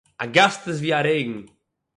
אַ גאַסט איז ווי אַ רעגן.